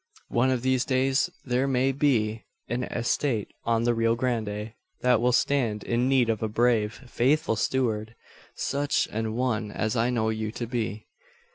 one of these days there may be an estate on the Rio Grande that will stand in need of a brave, faithful steward such an one as I know you to be."